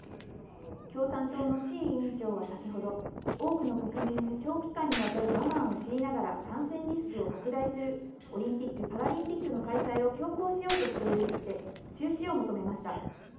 共産党の志位委員長は先ほど、多くの国民に長期間にわたる我慢を強いながら、感染リスクを拡大するオリンピック・パラリンピックの開催を強行しようとしているとして、中止を求めました。